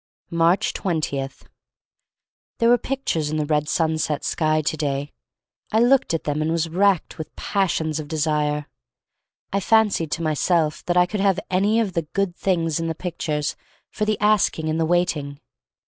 Aarcb 20. TiHERE were pictures in the red sunset sky to day. I looked at them and was racked with pas sions of desire. I fancied to myself that I could have any of the good things in the pictures for the asking and the waiting.